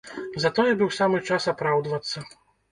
Затое быў самы час апраўдвацца.